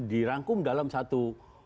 dirangkum dalam satu